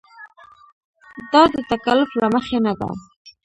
دا د تکلف له مخې نه ده.